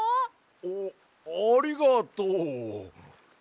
あっありがとう。